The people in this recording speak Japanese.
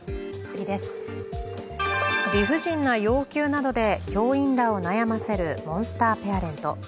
理不尽な要求などで教員らを悩ませるモンスターペアレント。